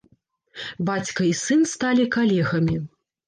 Бацька і сын сталі калегамі.